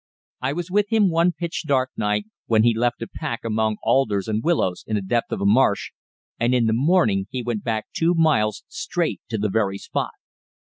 I was with him one pitch dark night when he left a pack among alders and willows in the depth of a marsh, and in the morning he went back two miles straight to the very spot.